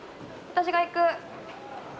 私が行く。